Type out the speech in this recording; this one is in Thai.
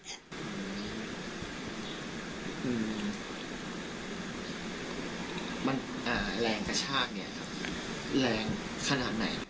อืมมันอ่าแรงกระชากเนี่ยครับแรงขนาดไหน